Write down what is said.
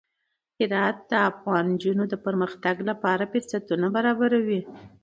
هرات د افغان نجونو د پرمختګ لپاره فرصتونه برابروي.